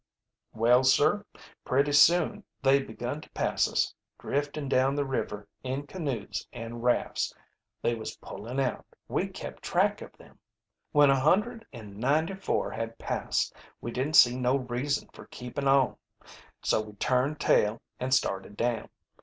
"Well, sir, pretty soon they begun to pass us, driftin' down the river in canoes an' rafts. They was pullin' out. We kept track of them. When a hundred an' ninety four had passed, we didn't see no reason for keepin' on. So we turned tail and started down.